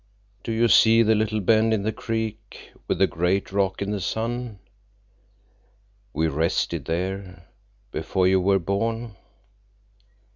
Do you see the little bend in the creek, with the great rock in the sun? We rested there—before you were born!"